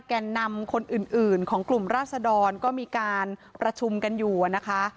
แก่นำคนอื่นของกลุ่มราศดรก็มีการประชุมกันอยู่นะคะ